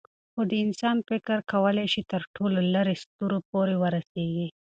خو د انسان فکر کولی شي تر ټولو لیرې ستورو پورې ورسېږي.